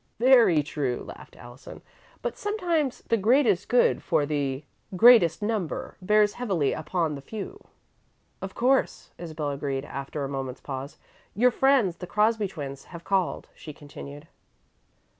"Very true," laughed Allison, "but sometimes 'the greatest good for the greatest number' bears heavily upon the few." "Of course," Isabel agreed, after a moment's pause. "Your friends, the Crosby twins, have called," she continued.